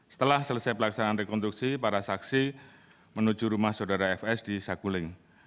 setelah selesai pelaksanaan rekonstruksi para saksi menuju rumah saudara fs di saguling